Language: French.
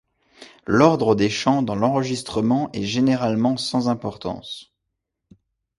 L'ordre des champs dans l'enregistrement est généralement sans importance.